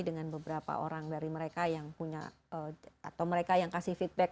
dengan beberapa orang dari mereka yang punya atau mereka yang kasih feedback